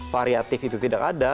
variatif itu tidak ada